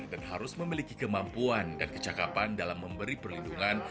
dan harus memiliki kemampuan dan kecakapan dalam memberi perlindungan